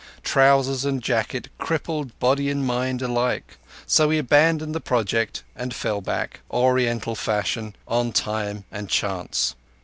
Trousers and jacket crippled body and mind alike so he abandoned the project and fell back, Oriental fashion, on time and chance.